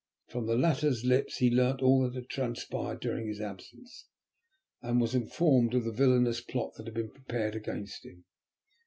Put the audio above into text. From the latter's lips he learnt all that had transpired during his absence, and was informed of the villainous plot that had been prepared against him.